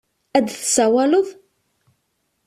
Ad d-tsawaleḍ?